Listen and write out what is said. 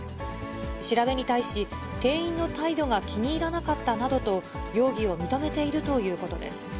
調べに対し、店員の態度が気に入らなかったなどと、容疑を認めているということです。